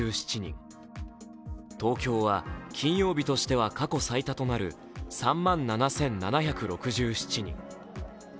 東京は金曜日としては過去最多となる３万７７６７人。